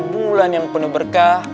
dan di bulan yang penuh berkah